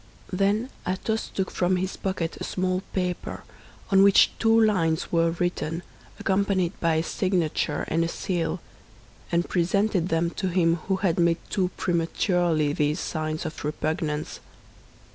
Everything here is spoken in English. Then Athos took from his pocket a small paper, on which two lines were written, accompanied by a signature and a seal, and presented them to him who had made too prematurely these signs of repugnance.